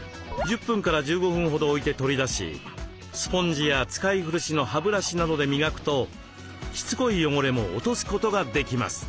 １０分１５分ほど置いて取り出しスポンジや使い古しの歯ブラシなどで磨くとしつこい汚れも落とすことができます。